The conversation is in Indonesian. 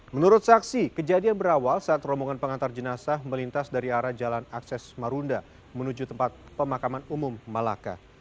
menurut saksi kejadian berawal saat rombongan pengantar jenazah melintas dari arah jalan akses marunda menuju tempat pemakaman umum malaka